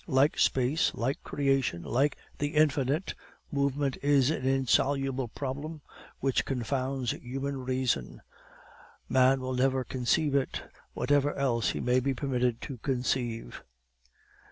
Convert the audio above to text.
Like space, like creation, like the infinite, movement is an insoluble problem which confounds human reason; man will never conceive it, whatever else he may be permitted to conceive.